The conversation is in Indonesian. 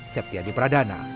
seperti adi pradana